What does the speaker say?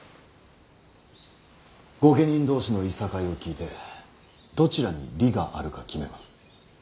御家人同士のいさかいを聞いてどちらに理があるか決めます。